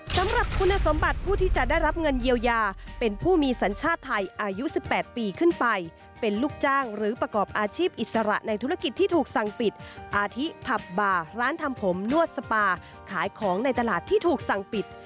สำหรับคุณสมบัติผู้ที่จะได้รับเงินเยียวยาเป็นผู้มีสัญชาติไทยอายุ๑๘ปีขึ้นไปเป็นลูกจ้างหรือประกอบอาชีพอิสระในธุรกิจที่ถูกสั่งปิดอาทิผับบาร์ร้านทำผมนวดสปาขายของในตลาดที่ถูกสั่งปิด